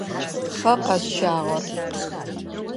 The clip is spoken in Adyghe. Пхъэ къэсщагъэр.